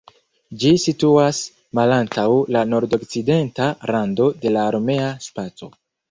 Ĝi situas malantaŭ la nordokcidenta rando de la armea spaco.